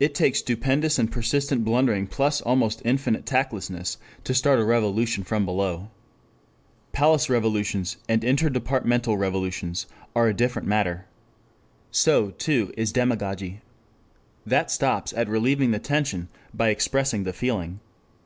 It takes stupendous and persistent blundering, plus almost infinite tactlessness, to start a revolution from below. Palace revolutions, interdepartmental revolutions, are a different matter. So, too, is demagogy. That stops at relieving the tension by expressing the feeling.